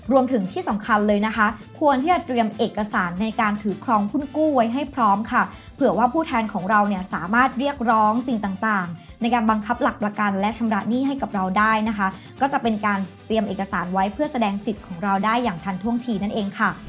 รวมถึงที่สำคัญเลยนะคะควรที่จะเตรียมเอกสารในการถือครองหุ้นกู้ไว้ให้พร้อมค่ะเผื่อว่าผู้แทนของเราเนี่ยสามารถเรียกร้องสิ่งต่างในการบังคับหลักประกันและชำระหนี้ให้กับเราได้นะคะก็จะเป็นการเตรียมเอกสารไว้เพื่อแสดงสิทธิ์ของเราได้อย่างทันท่วงทีนั่นเองค่ะ